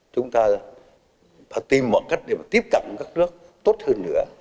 chúng ta phải tìm một cách để tiếp cận các nước tốt hơn nữa